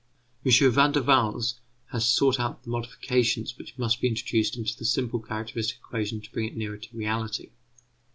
M. Van der Waals has sought out the modifications which must be introduced into the simple characteristic equation to bring it nearer to reality.